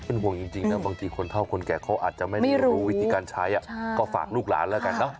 เป็นห่วงจริงนะบางทีคนเท่าคนแก่เขาอาจจะไม่ได้รู้วิธีการใช้ก็ฝากลูกหลานแล้วกันเนอะ